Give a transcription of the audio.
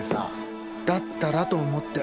だったらと思って。